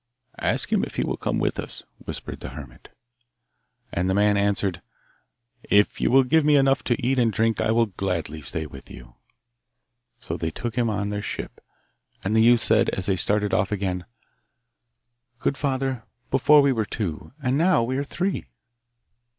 'Ask him if he will come with us,' whispered the hermit. And the man answered: 'If you will give me enough to eat and drink I will gladly stay with you.' So they took him on their ship, and the youth said, as they started off again, 'Good father, before we were two, and now we are three!